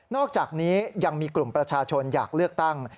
อกจากนี้ยังมีกลุ่มประชาชนอยากเลือกตั้ง